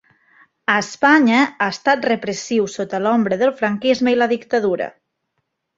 Espanya, estat repressiu sota l’ombra del franquisme i la dictadura.